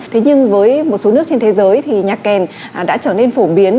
thế nhưng với một số nước trên thế giới thì nhạc kèn đã trở nên phổ biến